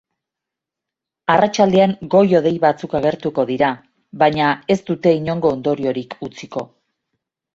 Arratsaldean goi-hodei batzuk agertuko dira, baina ez dute inongo ondoriorik utziko.